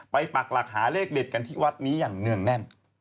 ปักหลักหาเลขเด็ดกันที่วัดนี้อย่างเนื่องแน่น